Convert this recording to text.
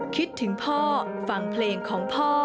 คิดถึงพ่อฟังเพลงของพ่อ